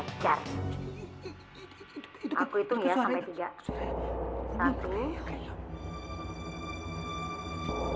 aku hitung ya sampai tiga